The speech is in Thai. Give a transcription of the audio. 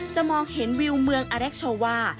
จะมองเห็นวิวเมืองอรักชาวา